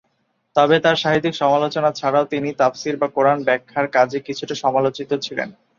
তবে তাঁর সাহিত্যিক সমালোচনা ছাড়াও তিনি তাফসির বা কোরআন ব্যাখ্যার কাজে কিছুটা সমালোচিত ছিলেন।